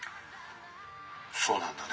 「そうなんだね